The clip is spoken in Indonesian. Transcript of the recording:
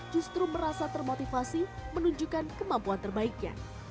justru merasa termotivasi menunjukkan kemampuan terbaiknya